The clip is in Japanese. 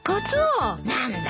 何だ